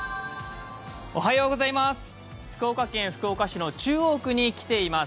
福岡県福岡市の中央区に来ています。